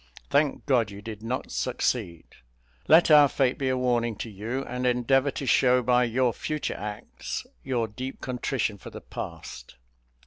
Thank God you did not succeed. Let our fate be a warning to you, and endeavour to show by your future acts your deep contrition for the past.